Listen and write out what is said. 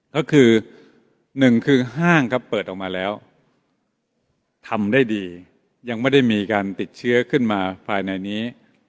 ก็คือหนึ่งคือห้างครับเปิดออกมาแล้วทำได้ดียังไม่ได้มีการติดเชื้อขึ้นมาภายในนี้